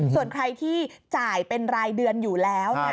ส่วนใครที่จ่ายเป็นรายเดือนอยู่แล้ว